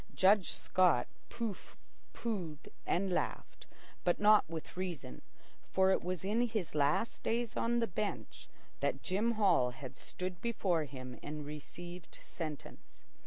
Judge Scott pooh poohed and laughed, but not with reason, for it was in his last days on the bench that Jim Hall had stood before him and received sentence.